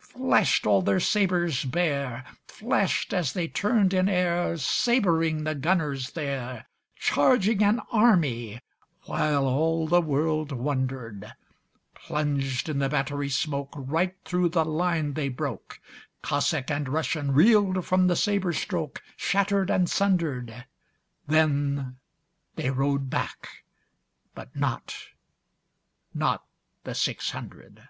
Flash'd all their sabres bare, Flash'd as they turn'd in airSabring the gunners there, Charging an army, whileAll the world wonder'd:Plunged in the battery smokeRight thro' the line they broke; Cossack and RussianReel'd from the sabre strokeShatter'd and sunder'd. Then they rode back, but notNot the six hundred.